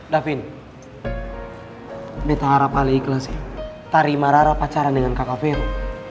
davin betahara pahla ikhlasi tarima rara pacaran dengan kak vero